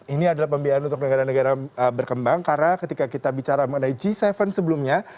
ini adalah pembiayaan untuk negara negara berkembang karena ketika kita bicara mengenai g tujuh sebelumnya